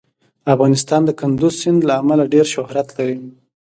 افغانستان د کندز سیند له امله ډېر شهرت لري.